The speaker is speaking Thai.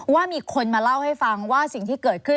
ว่ามีคนมาเล่าให้ฟังว่าสิ่งที่เกิดขึ้น